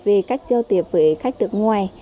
về cách giao tiếp với khách nước ngoài